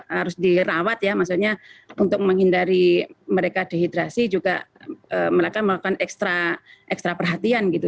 harus dirawat ya maksudnya untuk menghindari mereka dehidrasi juga mereka melakukan ekstra perhatian gitu